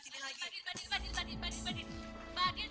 seahketnya kalah namanya